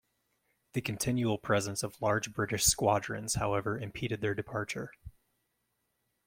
The continual presence of large British squadrons, however, impeded their departure.